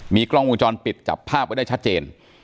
กล้องวงจรปิดจับภาพไว้ได้ชัดเจน